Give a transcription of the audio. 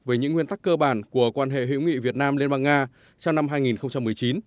về những nguyên tắc cơ bản của quan hệ hữu nghị việt nam liên bang nga trong năm hai nghìn một mươi chín